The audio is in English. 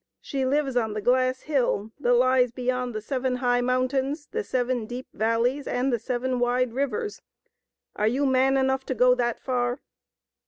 She lives on the glass hill that lies beyond the seven high mountains, the seven deep valleys, and the seven wide rivers; are you man enough to go that far